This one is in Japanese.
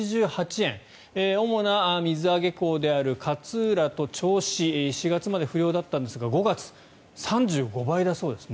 主な水揚げ港である勝浦と銚子４月まで不漁だったんですが５月、３５倍だそうです。